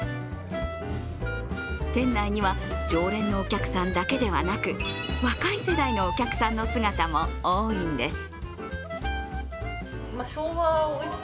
店内には常連のお客さんだけではなく、若い世代のお客さんの姿も多いんです。